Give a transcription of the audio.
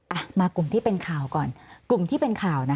อ่ะมากลุ่มที่เป็นข่าวก่อนกลุ่มที่เป็นข่าวนะคะ